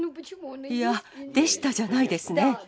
いや、でしたじゃないですね。